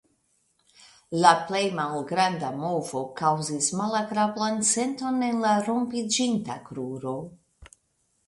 La plej malgranda movo kaŭzis malagrablan senton en la rompiĝinta kruro.